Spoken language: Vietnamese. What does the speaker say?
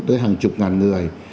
tới hàng chục ngàn người